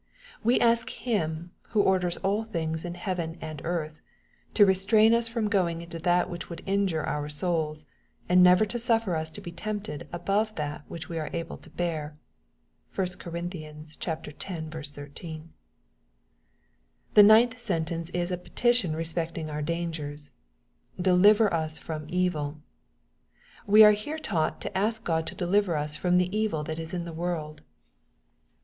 We ask Him, who orders all things in heaven and earth, to restrain us from going into that which would injure our souls, and never to suffer us to be tempted above that which we are able to bear. (1 Cor. x. 13.) The ninth sentence is a petition respecting our dan* gers :*^ deliver us from evil." We are here taught to ask Qod to deliver us from the evil that is in the world, 54 EXPOsrroBT thoughts.